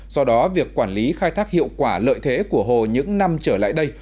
do đó việc quản lý khai thác hiệu quả lợi thế của hồ những năm trở lại đây